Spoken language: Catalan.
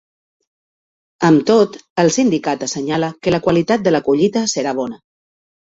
Amb tot, el sindicat assenyala que la qualitat de la collita serà bona.